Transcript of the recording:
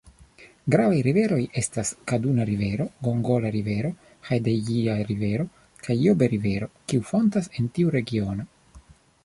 Gravaj riveroj estas Kaduna-Rivero, Gongola-Rivero, Hadejia-Rivero kaj Jobe-Rivero, kiuj fontas en tiu regiono.